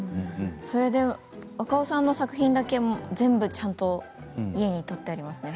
それで若尾さんの作品だけ全部ちゃんと家に取ってありますね。